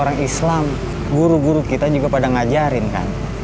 orang islam guru guru kita juga pada ngajarin kan